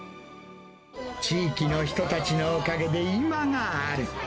地域の人たちのおかげで今がある。